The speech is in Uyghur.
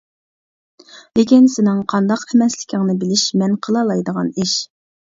لېكىن سېنىڭ قانداق ئەمەسلىكىڭنى بىلىش مەن قىلالايدىغان ئىش.